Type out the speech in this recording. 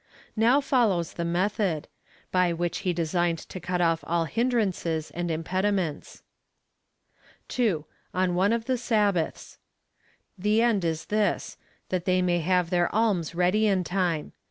Now follows the method — by which he designed to cut off all hinderances and impediments. 2. 0)1 one of the Sabbaths. The end is this — that they may have their alms ready in time.